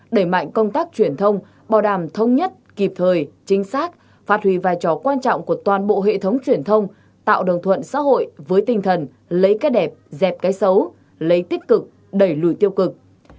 đẩy mạnh công tác truyền thông bảo đảm thông nhất kịp thời chính xác phát huy vai trò quan trọng của toàn bộ hệ thống truyền thông tạo đồng thuận xã hội với tinh thần lấy cái đẹp dẹp cái xấu lấy tích cực đẩy lùi tiêu cực